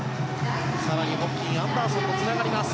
更にホプキン、アンダーソンとつながります。